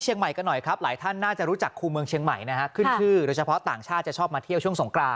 กันหน่อยครับหลายท่านน่าจะรู้จักครูเมืองเชียงใหม่นะฮะขึ้นชื่อโดยเฉพาะต่างชาติจะชอบมาเที่ยวช่วงสงกราน